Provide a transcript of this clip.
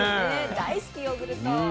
大好きヨーグルト。